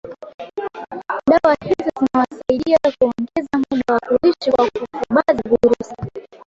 dawa hizo zinawasaidia kuongeza muda wa kuishi kwa kufubaza virusi